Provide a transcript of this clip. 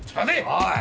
おい！